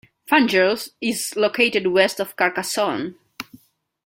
Fanjeaux is located west of Carcassonne.